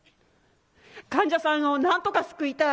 患者さんをなんとか救いたい。